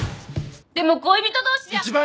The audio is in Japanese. でも恋人同士じゃん